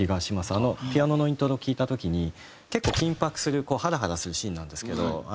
あのピアノのイントロを聴いた時に結構緊迫するハラハラするシーンなんですけど。